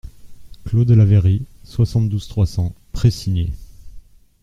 Clos de la Vairie, soixante-douze, trois cents Précigné